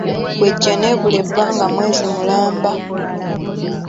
Bw'ejja n’ebula ebbanga mwezi mulamba.